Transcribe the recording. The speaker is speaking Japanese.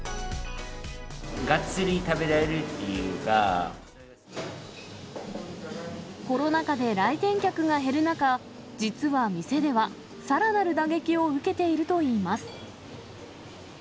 がっつり食べられるっていうコロナ禍で来店客が減る中、実は店では、さらなる打撃を受けているといいます。